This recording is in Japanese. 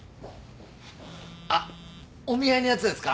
あっお見合いのやつですか？